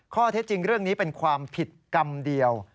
ข้อเท็จจริงเรื่องนี้เป็นความผิดกรรมเดียว